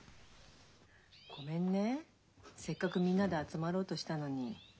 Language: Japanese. ごめんねせっかくみんなで集まろうとしたのに。